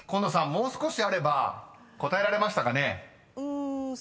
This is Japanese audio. もう少しあれば答えられましたかね？］